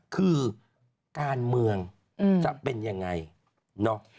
คือการเมืองจะเป็นยังไงเนาะ